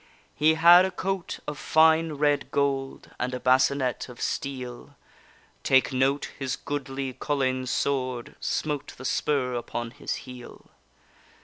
He had a coat of fine red gold, And a bascinet of steel; Take note his goodly Collayne sword Smote the spur upon his heel.